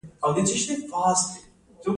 د زابل په شنکۍ کې د سمنټو مواد شته.